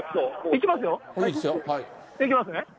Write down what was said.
いきますね。